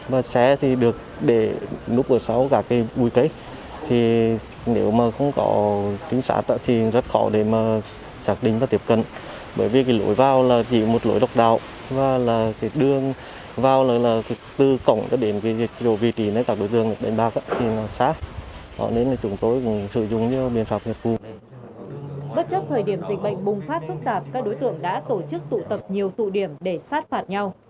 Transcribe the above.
bất chấp thời điểm dịch bệnh bùng phát phức tạp các đối tượng đã tổ chức tụ tập nhiều tụ điểm để sát phạt nhau